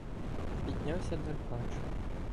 Піднявся Деркач.